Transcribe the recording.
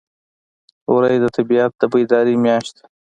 وری د طبیعت د بیدارۍ میاشت ده.